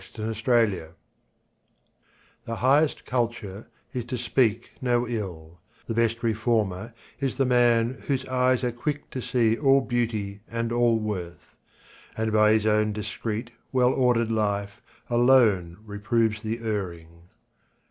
TRUE CULTURE The highest culture is to speak no ill, The best reformer is the man whose eyes Are quick to see all beauty and all worth; And by his own discreet, well ordered life, Alone reproves the erring.